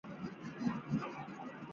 鸵鸟只有两根脚趾。